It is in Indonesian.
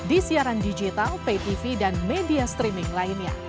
di siaran digital pay tv dan media streaming lainnya